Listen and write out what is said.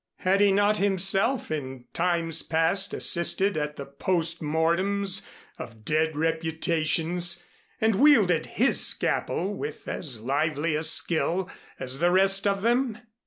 Had he not himself in times past assisted at the post mortems of dead reputations, and wielded his scalpel with as lively a skill as the rest of them?